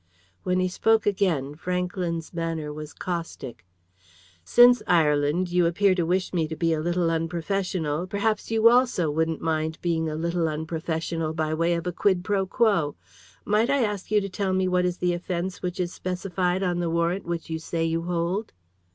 When he spoke again Franklyn's manner was caustic. "Since, Ireland, you appear to wish me to be a little unprofessional, perhaps you also won't mind being a little unprofessional, by way of a quid pro quo. Might I ask you to tell me what is the offence which is specified on the warrant which you say you hold?"